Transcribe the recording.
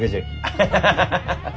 アハハハハ。